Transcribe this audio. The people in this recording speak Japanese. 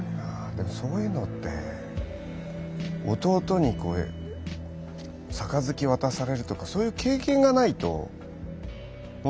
でもそういうのって弟に杯渡されるとかそういう経験がないともしかしたら。